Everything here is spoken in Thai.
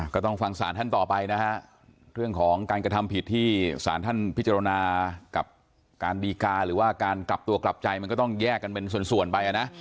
ก็ต้องฟังศาลท่านต่อไปนะฮะเรื่องของการกระทำผิดที่สารท่านพิจารณากับการดีกาหรือว่าการกลับตัวกลับใจมันก็ต้องแยกกันเป็นส่วนไปนะ